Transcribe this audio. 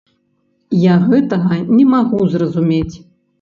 Я гэтага не магу зразумець.